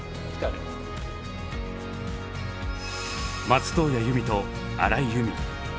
松任谷由実と荒井由実。